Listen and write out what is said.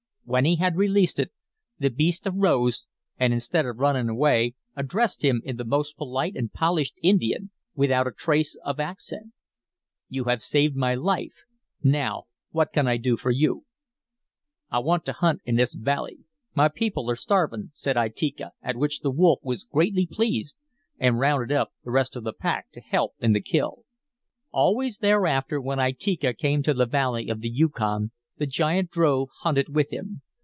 When he had released it, the beast arose and instead of running away addressed him in the most polite and polished Indian, without a trace of accent. "'You have saved my life. Now, what can I do for you?' "'I want to hunt in this valley. My people are starving,' said Itika, at which the wolf was greatly pleased and rounded up the rest of the pack to help in the kill. "Always thereafter when Itika came to the valley of the Yukon the giant drove hunted with him.